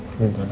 kami minta apa